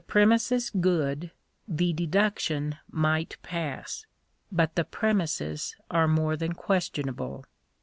premises good, the deduction might pass ; but the premises are more than questionable.